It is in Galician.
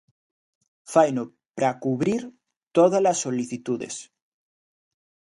Faino para cubrir todas as solicitudes.